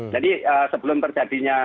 jadi sebelum terjadinya